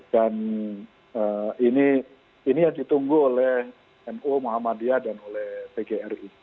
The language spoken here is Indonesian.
dan ini yang ditunggu oleh mu muhammadiyah dan oleh pgri